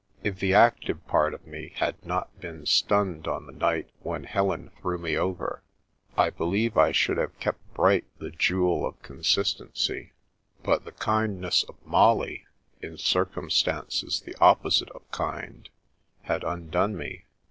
If the active part of me had not been stunned on the night when Helen threw me over, I believe I should have kept bright the jewel of con sistency. But the kindness of Molly in circum stances the opposite of kind, had undone me.